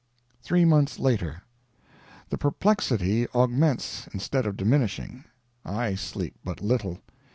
THREE MONTHS LATER. The perplexity augments instead of diminishing. I sleep but little.